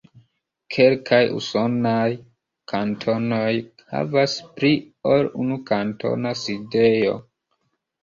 Kelkaj usonaj kantonoj havas pli ol unu kantona sidejo.